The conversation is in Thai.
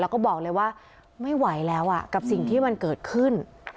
แล้วก็บอกเลยว่าไม่ไหวแล้วกับสิ่งที่มันเกิดขึ้น